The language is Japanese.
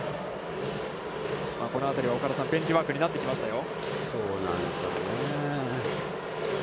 この辺りは岡田さん、ベンチワークになってきましたよ。